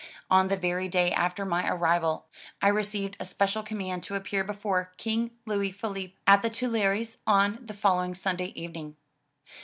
On the very day after my arrival, I received a special command to appear before King Louis Philippe at the Tuileries on the following Sunday evening.